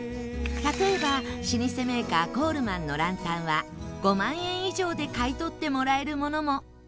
例えば老舗メーカーＣｏｌｅｍａｎのランタンは５万円以上で買い取ってもらえるものも。